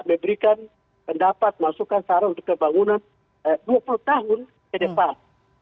memberikan pendapat masukan sarah untuk pembangunan dua puluh tahun ke depan